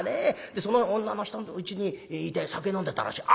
でその女の人のうちにいて酒飲んでたらしい。